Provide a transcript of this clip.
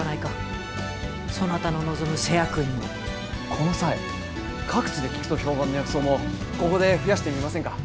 この際各地で効くと評判の薬草もここで増やしてみませんか？